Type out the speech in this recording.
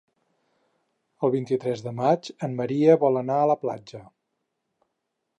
El vint-i-tres de maig en Maria vol anar a la platja.